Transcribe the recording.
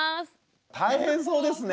大変そうですね。